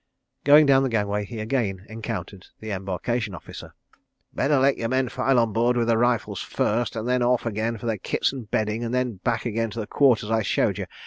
Going down the gangway, he again encountered the Embarkation Officer. "Better let your men file on board with their rifles first, and then off again for their kits and bedding, and then back again to the quarters I showed you.